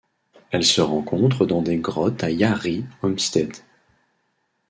Elle se rencontre dans des grottes à Yarrie Homestead.